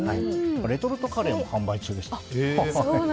レトルトカレーも販売中です。